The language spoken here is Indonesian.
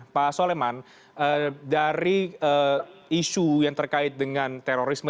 pak soleman dari isu yang terkait dengan terorisme